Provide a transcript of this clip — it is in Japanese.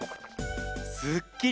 すっきり！